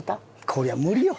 こりゃ無理よ。